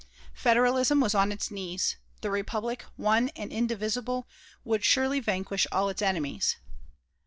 Federalism was on its knees; the Republic, one and indivisible, would surely vanquish all its enemies.